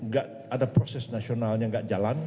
gak ada proses nasionalnya nggak jalan